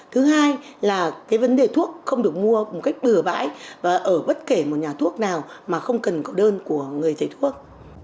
thứ hai là cái vấn đề thuốc không được mua một cách bừa bãi và ở bất kể một nhà thuốc nào mà không cần có đơn của người thầy thuốc